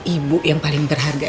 ibu yang paling berharga